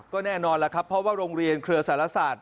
ก็แน่นอนแล้วครับเพราะว่าโรงเรียนเครือสารศาสตร์